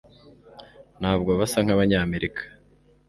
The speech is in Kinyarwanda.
ntabwo basa nkabanyamerika